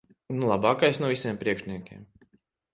Labākais no visiem priekšniekiem.